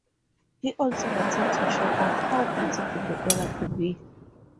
He also wanted to show off how beautiful the area could be.